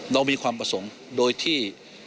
เรามีความประสงค์โดยที่